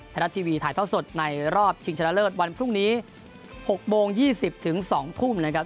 ไทยรัฐทีวีถ่ายท่อสดในรอบชิงชนะเลิศวันพรุ่งนี้๖โมง๒๐ถึง๒ทุ่มนะครับ